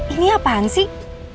ini apaan sih